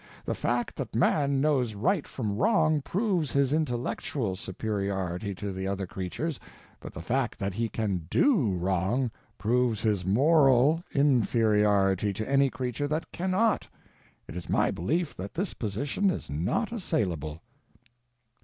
The fact that man knows right from wrong proves his _intellectual _superiority to the other creatures; but the fact that he can _do _wrong proves his _moral _inferiority to any creature that cannot. It is my belief that this position is not assailable.